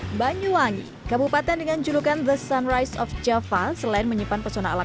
hai banyuwangi kabupaten dengan judulkan the sunrise of java selain menyimpan pesona alam